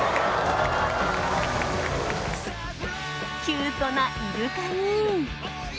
キュートなイルカに。